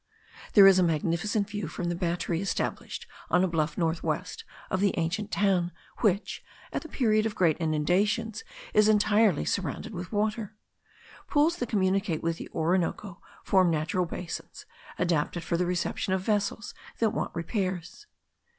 There is a magnificent view from the battery established on a bluff north west of the ancient town, which, at the period of great inundations, is entirely surrounded with water. Pools that communicate with the Orinoco form natural basins, adapted for the reception of vessels that want repairs.